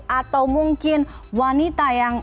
atau mungkin wanita yang